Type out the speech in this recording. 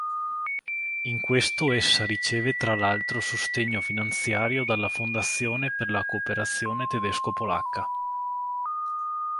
In questo essa riceve tra l'altro sostegno finanziario dalla Fondazione per la cooperazione tedesco-polacca.